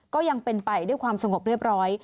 ก็ยังเป็นไปด้วยความสงบเรียบร้อย